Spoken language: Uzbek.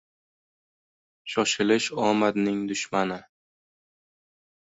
• Shoshilish — omadning dushmani.